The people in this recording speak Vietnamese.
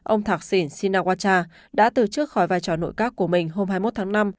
ông thạc xỉn sinawacha đã từ chức khỏi vai trò nội các của mình hôm hai mươi một tháng năm